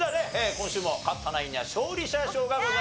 今週も勝ったナインには勝利者賞がございます。